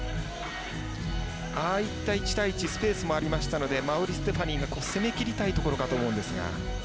ああいった１対１スペースもありましたので馬瓜ステファニーが攻めきりたいところかと思いますが。